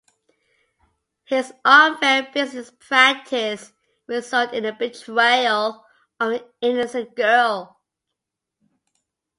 His unfair business practices result in the betrayal of an innocent girl.